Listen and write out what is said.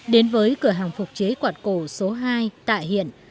đến với cửa hàng phục chế quạt cổ số hai tạ hiện